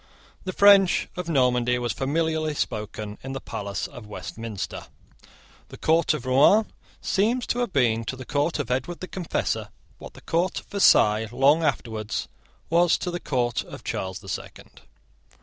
The French of Normandy was familiarly spoken in the palace of Westminster. The court of Rouen seems to have been to the court of Edward the Confessor what the court of Versailles long afterwards was to the court of Charles the Second.